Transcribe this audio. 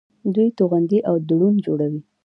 دوی توغندي او ډرون جوړوي.